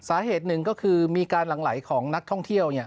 สาเหตุหนึ่งก็คือมีการหลั่งไหลของนักท่องเที่ยว